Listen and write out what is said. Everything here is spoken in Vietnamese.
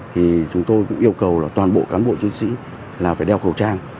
thì chúng tôi cũng yêu cầu là toàn bộ cán bộ chiến sĩ là phải đeo khẩu trang